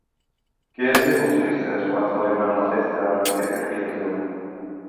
Què es diu als turistes quan celebren la festa d'aquesta criatura?